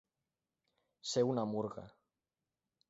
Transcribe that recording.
Ser una murga.